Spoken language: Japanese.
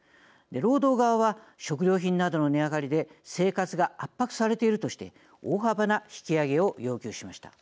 労働側は食料品などの値上がりで生活が圧迫されているとして大幅な引き上げを要求しました。